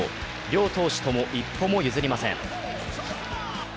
両投手とも一歩も譲りません。